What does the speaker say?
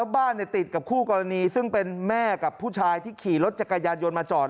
บ้านติดกับคู่กรณีซึ่งเป็นแม่กับผู้ชายที่ขี่รถจักรยานยนต์มาจอด